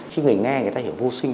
khi người nghe người ta hiểu vô sinh